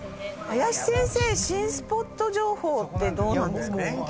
林先生新スポット情報ってどうなんですか？